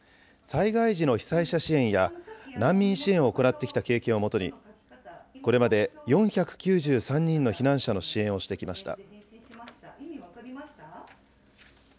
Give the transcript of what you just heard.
災害時の被災者支援や、難民支援を行ってきた経験をもとに、これまで４９３人の避難者の支援をしてきました。